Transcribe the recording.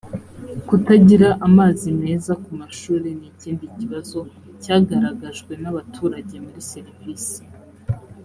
kutagira amazi meza ku mashuri ni ikindi kibazo cyagaragajwe n’abaturage muri serivisi